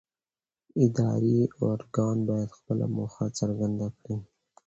اداري ارګان باید خپله موخه څرګنده کړي.